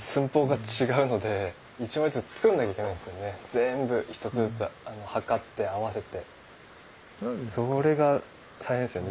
全部１つずつ測って合わせて。